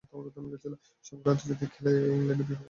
সবগুলো আন্তর্জাতিক খেলাই ইংল্যান্ডের বিপক্ষে খেলেছিলেন তিনি।